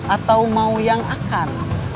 atau mau yang akan